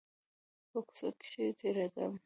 په کوڅه کښې تېرېدم .